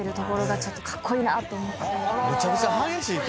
めちゃくちゃ激しい曲。